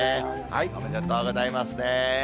おめでとうございますね。